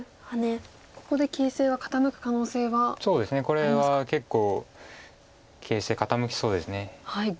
これは結構形勢傾きそうです。